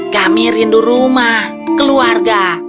kami rindu rumah keluarga